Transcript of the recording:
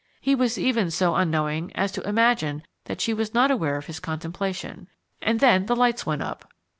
He was even so unknowing as to imagine that she was not aware of his contemplation. And then the lights went up.